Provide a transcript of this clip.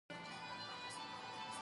هغه د بشري حقونو دفاع کوي.